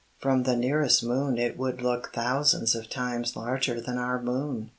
From the nearest moon it would look thousands of times larger than our moon.